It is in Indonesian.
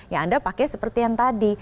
yang anda pakai seperti yang tadi